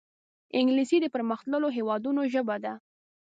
انګلیسي د پرمختللو هېوادونو ژبه ده